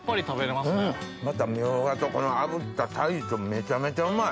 またみょうがとこの炙った鯛とめちゃめちゃうまい。